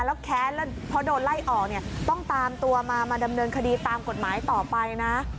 แล้วแค้นแล้วเพราะโดนไล่ออกเนี่ยต้องตามตัวมามาดำเนินคดีตามกฎหมายต่อไปนะ